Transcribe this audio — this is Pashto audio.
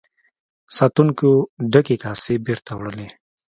ساتونکو ډکې کاسې بیرته وړلې.